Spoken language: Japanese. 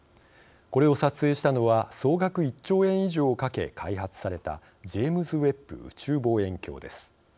これを撮影したのは総額１兆円以上をかけ開発されたジェームズ・ウェッブ宇宙望遠鏡です。